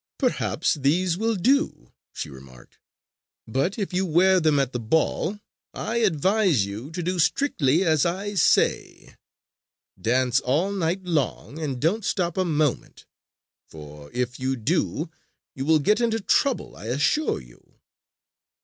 "Perhaps these will do," she remarked. "But if you wear them at the ball, I advise you to do strictly as I say: dance all night long, and don't stop a moment. For if you do, you will get into trouble, I assure you!"